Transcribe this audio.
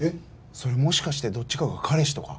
それもしかしてどっちかが彼氏とか？